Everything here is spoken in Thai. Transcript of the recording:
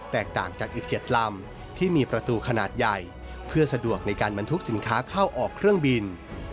ต่างจากอีก๗ลำที่มีประตูขนาดใหญ่เพื่อสะดวกในการบรรทุกสินค้าเข้าออกเครื่องบิน